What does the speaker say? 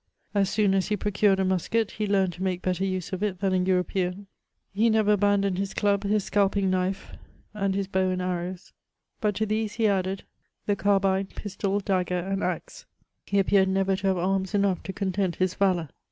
As soon as he procured a musket, he learned to make better use of it than a European ; he never abandoned his club, his scalping knife, and his bow and arrows ;— but to these he added the carbine, pistol, dagger, and axe ; he appeared never to have arms enough to content his valour.